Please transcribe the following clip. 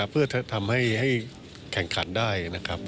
เพื่อทำให้แข่งขันได้